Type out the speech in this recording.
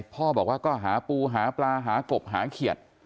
พ่อบอกว่าก็หาปูหาปลาหากบหาเขียด